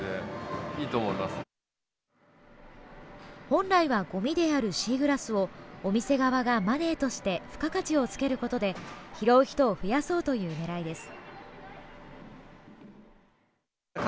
本来はごみであるシーグラスをお店側がマネーとして付加価値をつけることで拾う人を増やそうという狙いです。